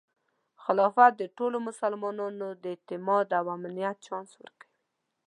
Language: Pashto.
خلافت د ټولو مسلمانانو د اعتماد او امنیت چانس ورکوي.